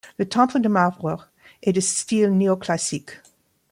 Le temple de marbre est de style néoclassique.